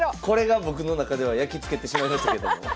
これが僕の中ではやきつけてしまいましたけども。